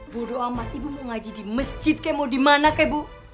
bodoh amat ibu mau ngaji di masjid kayak mau dimana kayak bu